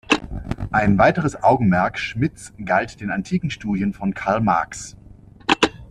Ein weiteres Augenmerk Schmidts galt den Antiken-Studien von Karl Marx.